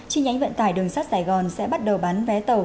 chi nhánh vận tải đường sắt sài gòn sẽ bắt đầu bán vé tàu